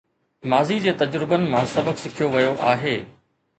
ماضي جي تجربن مان سبق سکيو ويو آهي